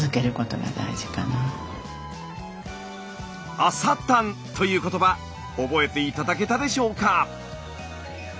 「朝たん」という言葉覚えて頂けたでしょうか。